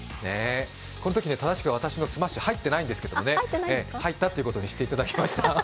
このとき、正しくは私のスマッシュ入ってなかったんですけどね、入ったということにしていただきました。